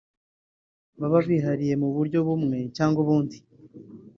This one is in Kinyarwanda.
baba bihariye mu buryo bumwe cyangwa ubundi